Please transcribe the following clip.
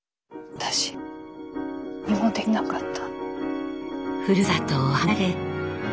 私何もできなかった。